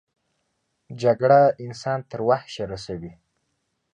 جګړه انسان تر وحشه رسوي